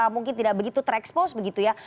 mungkin tidak begitu terekspos begitu ya